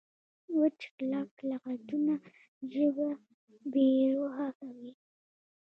وچ کلک لغتونه ژبه بې روحه کوي.